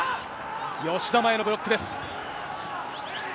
吉田麻也のブロックです。